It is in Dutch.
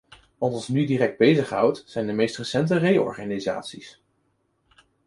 Wat ons nu direct bezighoudt zijn de meest recente reorganisaties.